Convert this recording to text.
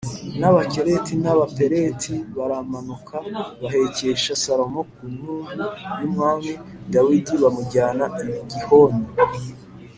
n’Abakereti n’Abapeleti baramanuka bahekesha Salomo ku nyumbu y’Umwami Dawidi ,bamujyana i Gihoni.